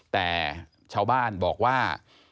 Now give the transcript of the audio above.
แต่ชาวบ้านบอกว่า